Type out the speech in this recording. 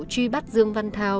truy bắt dương quan thao